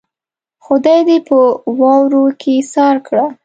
خدای دې په واورو کې ايسار کړه.